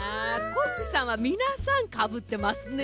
コックさんはみなさんかぶってますね。